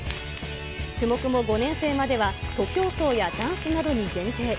種目も５年生までは徒競走やダンスなどに限定。